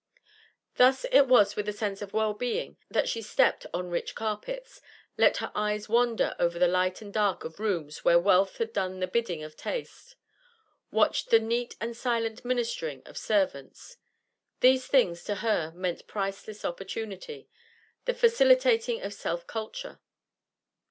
Thus it was with a sense of well being that she stepped on rich carpets, let her eyes wander over the light and dark of rooms where wealth had done the bidding of taste, watched the neat and silent ministering of servants. These things to her meant priceless opportunity, the facilitating of self culture.